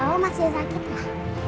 oh masih sakit lah